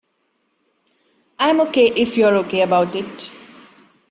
I'm OK if you're OK about it.